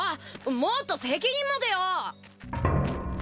もっと責任持てよ！